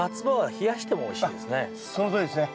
これはそのとおりですね。